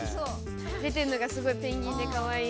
出てるのがすごいペンギンでかわいい。